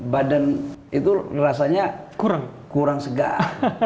badan itu rasanya kurang segar